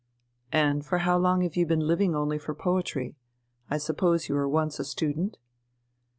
"And for how long have you been living only for poetry? I suppose you were once a student?"